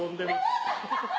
アハハハ！